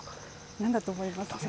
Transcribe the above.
なんだと思いますか。